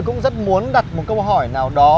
cũng rất muốn đặt một câu hỏi nào đó